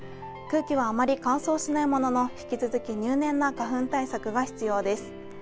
空気はあまり乾燥しないものの引き続き入念な花粉対策が必要です。